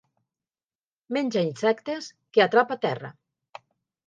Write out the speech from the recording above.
Menja insectes que atrapa a terra.